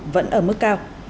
vẫn ở mức cao